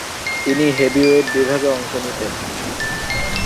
তিনি হেভিওয়েট বিভাগে অংশ নিতেন।